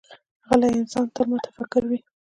غلی انسان، تل متفکر وي.